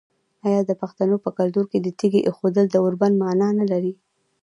آیا د پښتنو په کلتور کې د تیږې ایښودل د اوربند معنی نلري؟